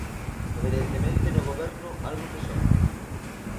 Evidentemente, no Goberno algo fixeron.